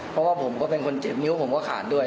เพราะว่าผมก็เป็นคนเจ็บนิ้วผมก็ขาดด้วย